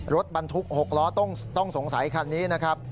รถบรรทุก๖ล้อต้องสงสัยคันนี้นะครับ